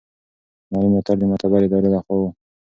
مالي ملاتړ د معتبرې ادارې له خوا و.